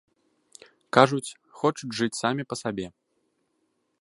Кажуць, хочуць жыць самі па сабе.